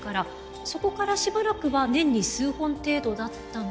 そこからしばらくは年に数本程度だったのが。